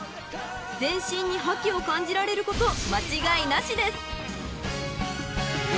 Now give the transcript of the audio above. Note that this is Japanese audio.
［全身に覇気を感じられること間違いなしです］